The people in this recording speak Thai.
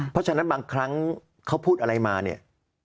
เพราะฉะนั้นบางครั้งเขาพูดอะไรมาเนี่ย